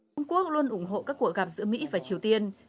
trung quốc luôn ủng hộ các cuộc gặp giữa mỹ và triều tiên